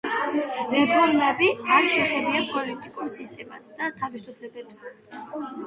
რეფორმები არ შეხებია პოლიტიკურ სისტემას და თავისუფლებებს.